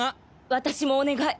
私もお願い。